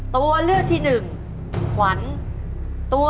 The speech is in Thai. ช่วงมีชื่อไทยว่าอะไร